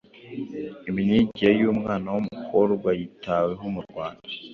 Imyigire y’umwana w’umukobwa yitaweho mu Rwanda